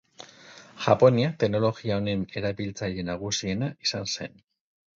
Japonia teknologia honen erabiltzaile nagusiena izan zen.